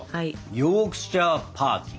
ヨークシャー・パーキン。